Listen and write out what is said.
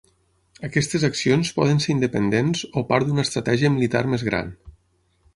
Aquestes accions poden ser independents o part d'una estratègia militar més gran.